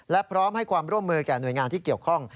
และพร้อมให้ความร่วมมือแก่หน่วยงานที่เกี่ยวข้อง